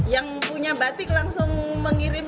yang punya batik langsung mengirim